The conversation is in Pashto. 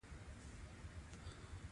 مارغان په ځنګل کي شور جوړوي.